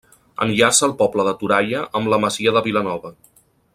Enllaça el poble de Toralla amb la Masia de Vilanova.